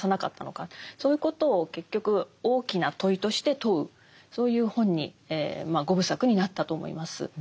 そういうことを結局大きな問いとして問うそういう本にまあ五部作になったと思います。